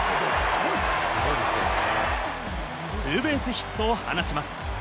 ツーベースヒットを放ちます。